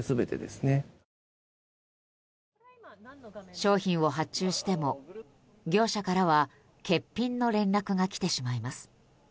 商品を発注しても、業者からは欠品の連絡が来てしまいます。